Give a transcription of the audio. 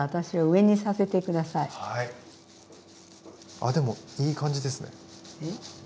あでもいい感じですね。